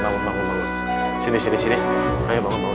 bangun bangun bangun